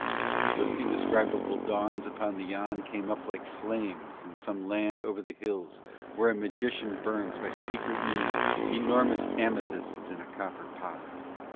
Those indescribable dawns upon the Yann came up like flames in some land over the hills where a magician burns by secret means enormous amethysts in a copper pot.